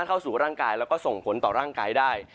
เข้าสู่ร่างกายแล้วก็ส่งผลต่อร่างกายได้